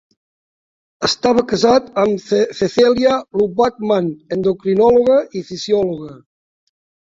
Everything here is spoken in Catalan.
Estava casat amb Cecelia Lutwak-Mann, endocrinòloga i fisiòloga.